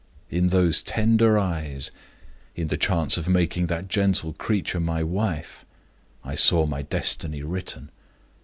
In those tender eyes in the chance of making that gentle creature my wife I saw my destiny written.